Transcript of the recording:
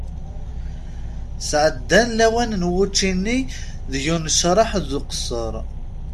Sɛeddan lawan n wučči-nni deg unecreḥ d uqesser.